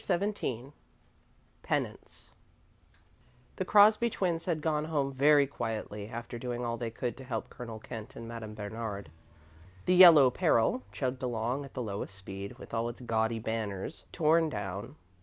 XVII PENANCE The Crosby twins had gone home very quietly, after doing all they could to help Colonel Kent and Madame Bernard. "The Yellow Peril" chugged along at the lowest speed with all its gaudy banners torn down.